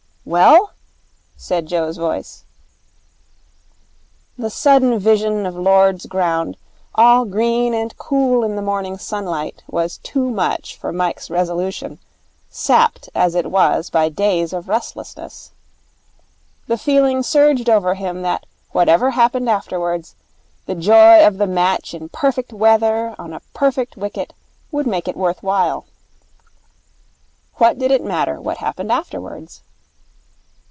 'Well?' said Joe's voice. The sudden vision of Lord's ground, all green and cool in the morning sunlight, was too much for Mike's resolution, sapped as it was by days of restlessness. The feeling surged over him that whatever happened afterwards, the joy of the match in perfect weather on a perfect wicket would make it worth while. What did it matter what happened afterwards?